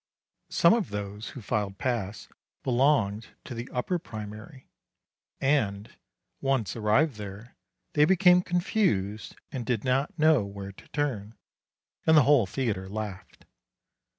Some of those who filed past belonged to the upper primary, and, once arrived there, they became confused and did not know where to turn, and the whole theatre laughed.